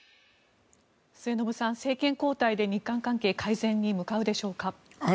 末延さん、政権交代で日韓関係改善に向かうでしょうか。